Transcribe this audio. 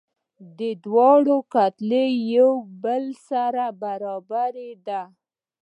د دواړو کتلې یو له بل سره برابره ده.